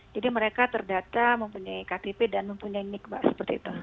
jadi mereka terdata mempunyai ktp dan mempunyai nik mbak seperti itu